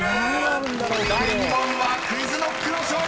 ［第２問はＱｕｉｚＫｎｏｃｋの勝利！］